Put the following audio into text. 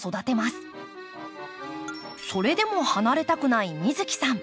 それでも離れたくない美月さん。